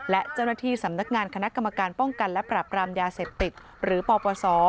และเจ้าหน้าที่สำนักงานคณะกรรมการป้องกันและปรับรามยาเสพติดหรือปปศ